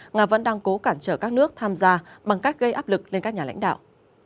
nga vẫn đang cố cản trở các nước tham gia bằng cách gây áp lực lên các nhà lãnh đạo